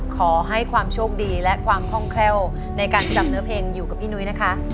ขอให้ความโชคดีและความคล่องแคล่วในการจำเนื้อเพลงอยู่กับพี่นุ้ยนะคะ